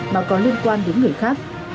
mà có liên quan đến người khác